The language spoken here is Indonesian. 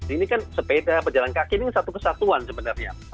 ini kan sepeda berjalan kaki ini satu kesatuan sebenarnya